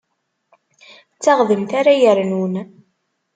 D taɣdemt ara yernun.